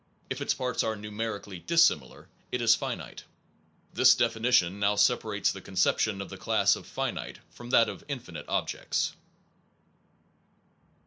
If its parts are numerically dissimilar, it is finite. This definition now separates the conception of the class of finite from that of infinite objects.